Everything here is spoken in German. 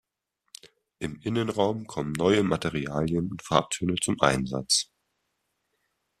Im Innenraum kommen neue Materialien und Farbtöne zum Einsatz.